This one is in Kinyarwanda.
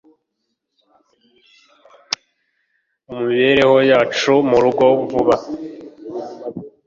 mumibereho yacu murugo vuba